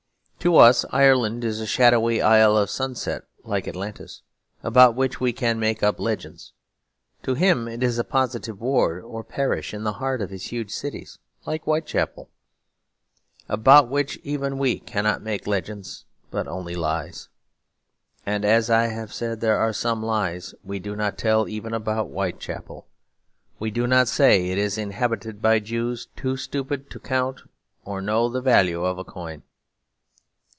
To us Ireland is a shadowy Isle of Sunset, like Atlantis, about which we can make up legends. To him it is a positive ward or parish in the heart of his huge cities, like Whitechapel; about which even we cannot make legends but only lies. And, as I have said, there are some lies we do not tell even about Whitechapel. We do not say it is inhabited by Jews too stupid to count or know the value of a coin.